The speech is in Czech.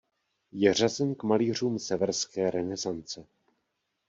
Je řazen k malířům Severské renesance.